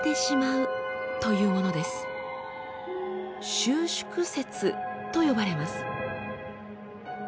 「収縮説」と呼ばれます。